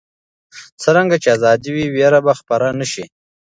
څرنګه چې ازادي وي، ویره به خپره نه شي.